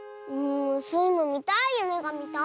スイもみたいゆめがみたい！